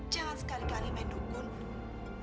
jangan sekali kali main dugun